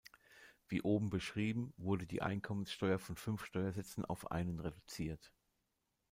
Wie oben beschrieben, wurde die Einkommensteuer von fünf Steuersätzen auf einen reduziert.